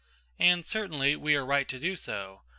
And, certainly, we are right to do so.